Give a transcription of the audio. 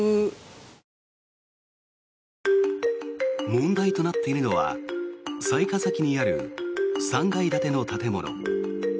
問題となっているのは雑賀崎にある３階建ての建物。